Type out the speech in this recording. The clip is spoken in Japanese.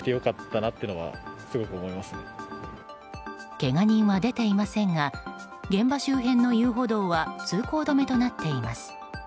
けが人は出ていませんが現場周辺の遊歩道は通行止めとなっています。